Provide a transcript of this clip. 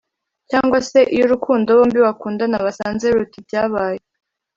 cyangwa se iyo urukundo bombi bakundana basanze ruruta ibyabaye